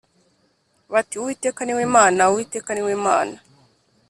bati “Uwiteka ni we Mana, Uwiteka ni we Mana”